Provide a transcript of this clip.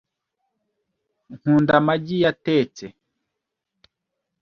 Nkunda amagi yatetse .